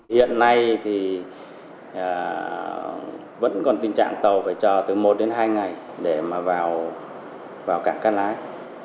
hiện nay thì vẫn còn tình trạng tàu phải chờ từ một đến hai ngày để mà vào cảng cắt lái